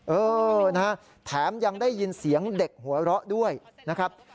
เออนะฮะแถมยังได้ยินเสียงเด็กหัวเราะด้วยนะครับ